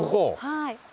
はい。